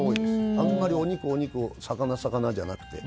あんまりお肉お肉魚、魚じゃなくて。